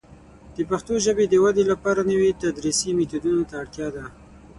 د پښتو ژبې د ودې لپاره نوي تدریسي میتودونه ته اړتیا ده.